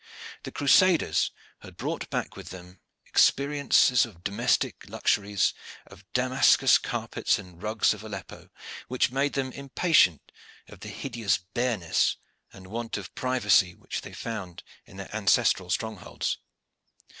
The Crusaders had brought back with them experiences of domestic luxuries, of Damascus carpets and rugs of Aleppo, which made them impatient of the hideous bareness and want of privacy which they found in their ancestral strongholds.